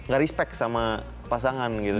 gak respect sama pasangan gitu